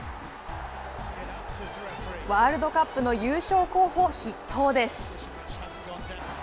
ワールドカップの優勝候補筆頭です。